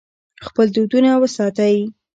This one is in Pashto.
خپل دودونه وساتئ.